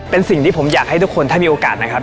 เป็นสิ่งที่ผมอยากให้ทุกคนถ้ามีโอกาสนะครับ